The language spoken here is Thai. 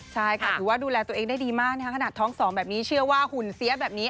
ใช่ค่ะถือว่าดูแลตัวเองได้ดีมากนะคะขนาดท้อง๒แบบนี้